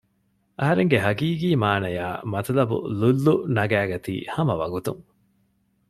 އަހަރެންގެ ހަގީގީ މާނަޔާއި މަތުލަބު ލުއްލު ނަގައިގަތީ ހަމަ ވަގުތުން